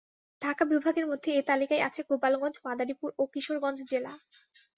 ঢাকা বিভাগের মধ্যে এ তালিকায় আছে গোপালগঞ্জ, মাদারীপুর ও কিশোরগঞ্জ জেলা।